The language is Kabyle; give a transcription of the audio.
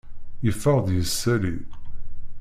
Yeffeɣ-d yisali.